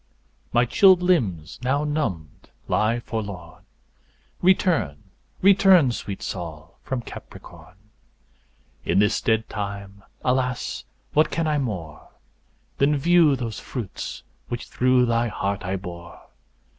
My chilled limbs now numbed lie forlorn; Return; return, sweet Sol, from Capricorn; In this dead time, alas, what can I more Than view those fruits which through thy heart I bore?